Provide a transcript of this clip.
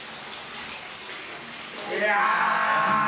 いや。